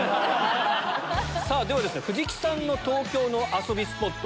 藤木さんの東京の遊びスポット